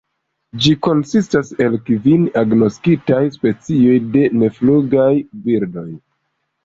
Ĝi konsistas el kvin agnoskitaj specioj de neflugaj birdoj.